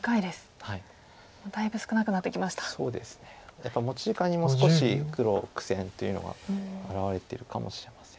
やっぱり持ち時間にも少し黒苦戦というのが表れてるかもしれません。